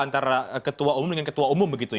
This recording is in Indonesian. antara ketua umum dengan ketua umum begitu ya